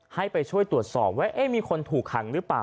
ให้ไปช่วยตรวจสอบว่ามีคนถูกขังหรือเปล่า